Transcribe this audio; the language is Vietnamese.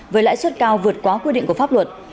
với lãi suất cao vượt quá quy định của pháp luật